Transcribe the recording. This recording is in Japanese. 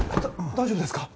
大丈夫ですか？